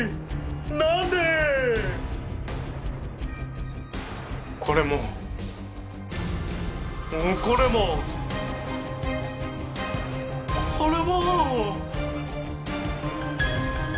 なんで⁉これも！これも！これも！